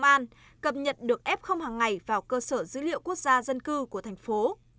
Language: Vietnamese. công an tp hcm cập nhật được f hằng ngày vào cơ sở dữ liệu quốc gia dân cư của thành phố